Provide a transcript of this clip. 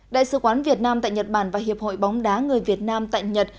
đại sứ quán việt nam tại nhật bản và hiệp hội bóng đá người việt nam tại nhật